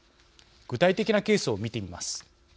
具体的なケースを見てみます。